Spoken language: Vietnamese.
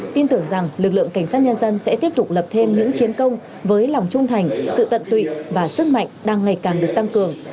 tin tưởng rằng lực lượng cảnh sát nhân dân sẽ tiếp tục lập thêm những chiến công với lòng trung thành sự tận tụy và sức mạnh đang ngày càng được tăng cường